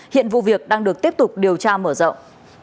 hiện vụ việc đang được tiếp tục điều tra mở rộng